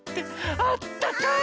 あったかい！